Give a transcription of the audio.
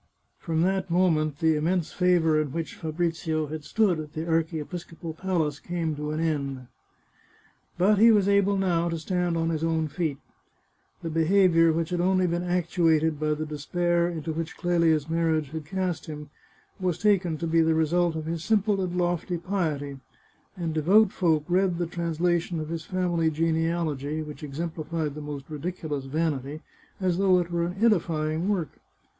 From that moment the immense favour in which Fabrizio had stood at the archiepiscopal palace came to an end. But he was able, now, to stand on his own feet. The behaviour which had only been actuated by the despair into which Clelia's marriage had cast him, was taken to be the result of his simple and lofty piety, and devout folk read the trans lation of his family genealogy, which exemplified the most ridiculous vanity, as though it were an edifying work.